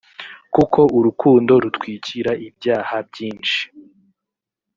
kuko urukundo rutwikira ibyaha byinshi